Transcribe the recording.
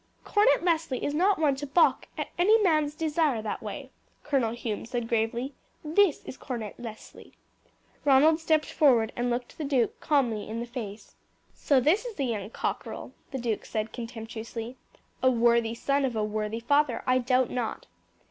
"Cornet Leslie is not one to balk any man's desire that way," Colonel Hume said gravely. "This is Cornet Leslie." Ronald stepped forward and looked the duke calmly in the face. "So this is the young cockerel," the duke said contemptuously. "A worthy son of a worthy father, I doubt not."